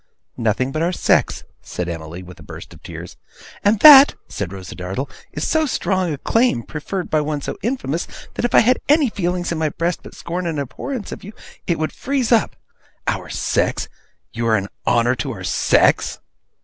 'Nothing but our sex,' said Emily, with a burst of tears. 'And that,' said Rosa Dartle, 'is so strong a claim, preferred by one so infamous, that if I had any feeling in my breast but scorn and abhorrence of you, it would freeze it up. Our sex! You are an honour to our sex!